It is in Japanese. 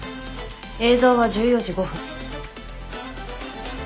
映像は１４時５分。